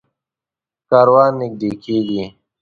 کاروان نږدې کېږي.